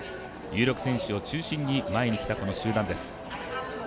有力選手を中心に前に来た集団です。